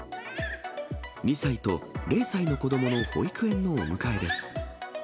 ２歳と０歳の子どもの保育園のお迎えです。